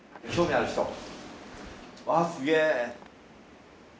あっすげ。